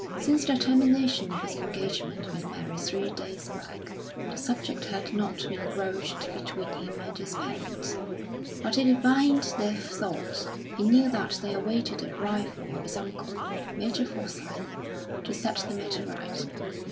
Since the termination of his engagement with Mary three days back, the subject had not been broached between him and his parents; but he divined their thoughts. He knew that they awaited the arrival of his uncle, Major Forsyth, to set the matter right.